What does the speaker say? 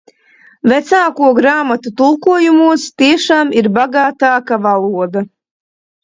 Vecāko grāmatu tulkojumos tiešām ir bagātāka valoda.